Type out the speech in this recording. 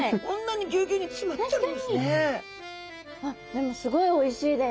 でもすごいおいしいです。